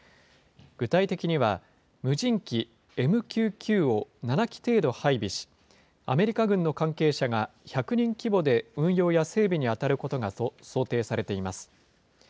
具体的には、無人機ＭＱ９を７機程度配備し、アメリカ軍の関係者が１００人規模で運用や整備に当たることが想定されています。